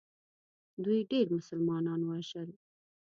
دوی ډېر مسلمانان ووژل.